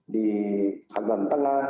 di agam tengah